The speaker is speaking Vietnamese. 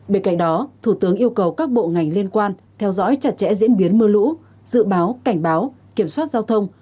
bên cạnh đó thủ tướng yêu cầu các bộ ngành liên quan theo dõi chặt chẽ diễn biến mưa lũ dự báo cảnh báo kiểm soát giao thông